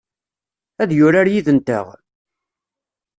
Ad yurar yid-nteɣ?